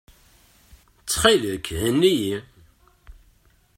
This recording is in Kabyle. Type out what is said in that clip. Ttxil-k, henni-iyi.